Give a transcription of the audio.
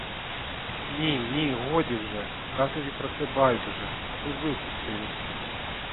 Ні, ні, годі вже — татові про це байдуже, аби ви пустили.